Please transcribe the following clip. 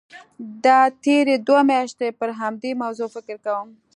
دا تېرې دوه میاشتې پر همدې موضوع فکر کوم.